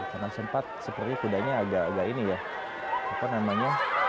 karena sempat sepertinya kudanya agak agak ini ya apa namanya